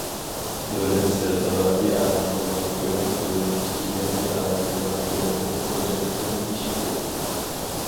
دۆلەت سىرتىغا ئىئانە قىلغان كۆلەم دۆلەت ئىچىگە ئىئانە قىلغان كۆلەمدىن تۇنجى قېتىم ئېشىپ كەتكەن.